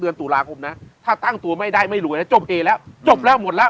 เดือนตุลาคมนะถ้าตั้งตัวไม่ได้ไม่รวยนะจบเอแล้วจบแล้วหมดแล้ว